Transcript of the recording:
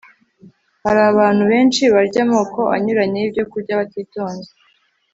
Hari abantu benshi barya amoko anyuranye yibyokurya batitonze